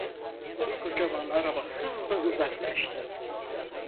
Koskocaman araba hızla uzaklaştı…